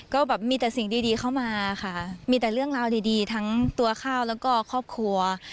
ก็แบบมีแต่สิ่งดีเข้ามาค่ะมีแต่เรื่องราวดีทั้งตัวข้าวแล้วก็ครอบครัว